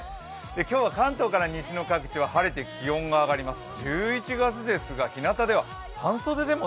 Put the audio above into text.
今日は関東から西の各地は晴れて気温が上がります。